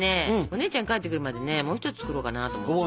お姉ちゃん帰ってくるまでねもう一つ作ろうかなと思って。